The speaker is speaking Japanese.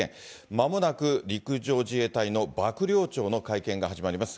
まもなく陸上自衛隊の幕僚長の会見が始まります。